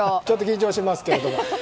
ちょっと緊張しますが。